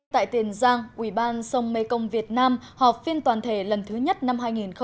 tại tiền giang ubnd sông mê công việt nam họp phiên toàn thể lần thứ nhất năm hai nghìn một mươi chín